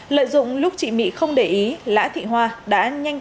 lợi dụng lúc chị mỹ không để ý lã thị hoa đã nhanh tay lấy đồ